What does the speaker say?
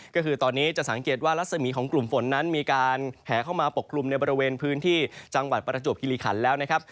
ก็คือตอนนี้จะสังเกตว่ารัศมีของกลุ่มฝนนั้นมีการแผลเข้ามาปกกลุ่มในบริเวณพื้นที่จังหวัดประจวบคิริขันแล้วนะครับ